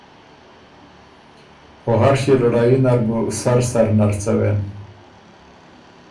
او هر ݭيې لړايي نر بُو سر سر نر څوکِن۔